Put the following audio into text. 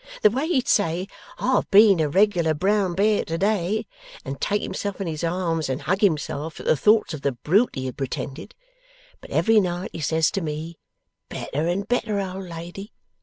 The way he'd say "I've been a regular brown bear to day," and take himself in his arms and hug himself at the thoughts of the brute he had pretended. But every night he says to me: "Better and better, old lady.